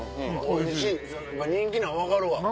おいしい人気なの分かるわ。